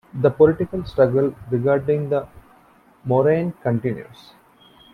The political struggle regarding the moraine continues.